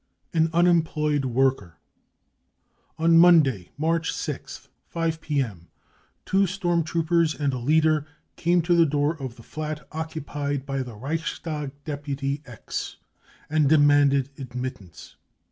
* An Unemployed Worker. 46 On Monday, March 6th, 5 p.m., two storm troopers and a leader came to the door of the flat occupied by pr Ae Reichstag deploy 4 X, 5 and demanded admittance.